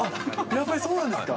やっぱりそうなんですか。